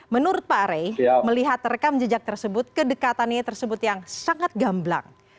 menurut pak rey melihat rekam jejak tersebut kedekatannya tersebut yang sangat gamblang